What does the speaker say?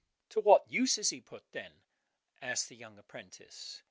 "To what use is he put, then?" asked the young apprentice.